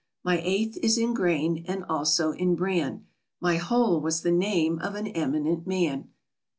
My eighth is in grain, and also in bran. My whole was the name of an eminent man.